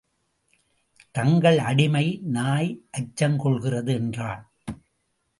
தங்கள் அடிமை நாய் அச்சங் கொள்கிறது என்றான்.